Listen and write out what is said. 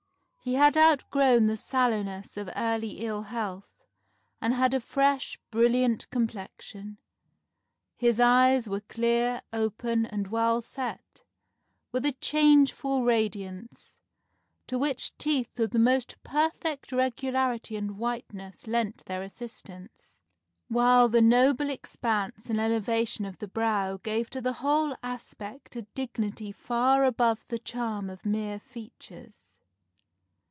He had outgrown the sallowness of early ill health, and had a fresh, brilliant complexion. His eyes were clear, open, and well set, with a changeful radiance, to which teeth of the most perfect regularity and whiteness lent their assistance, while the noble expanse and elevation of the brow gave to the whole aspect a dignity far above the charm of mere features.